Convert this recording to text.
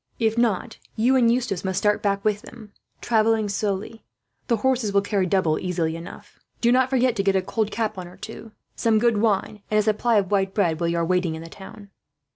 If not, you and Eustace must start back with them, travelling slowly. The horses will carry double, easily enough. "Do not forget to get a cold capon or two, some good wine, and a supply of white bread, while you are waiting in the town."